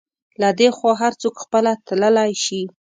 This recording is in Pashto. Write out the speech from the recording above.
له دې خوا هر څوک خپله تللی شي.